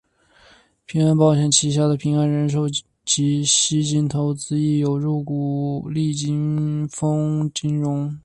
平安保险旗下的平安人寿及西京投资亦有入股金利丰金融。